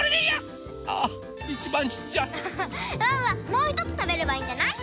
もうひとつたべればいいんじゃない？